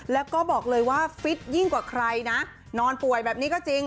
แล้วก็บอกเลยว่าฟิตยิ่งกว่าใครนะนอนป่วยแบบนี้ก็จริง